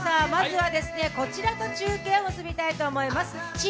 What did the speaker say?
まずはこちらと中継を結びたいと思います。